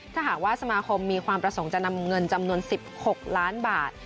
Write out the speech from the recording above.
ถ้าหากว่าสมาคมมีความประสงค์จะนำเงินจำนวน๑๖ล้านบาท